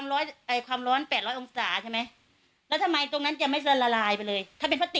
ไม่ใช่เราก็ไม่ใช่ก็ไม่เป็นไร